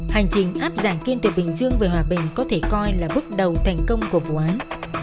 hành trình áp giảng kiên từ bình dương về hòa bình có thể coi là bước đầu thành công của vụ án